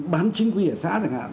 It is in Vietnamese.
bán chinh quy ở xã chẳng hạn